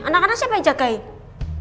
anak anak siapa yang jagain